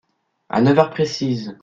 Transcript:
À neuf heures précises !…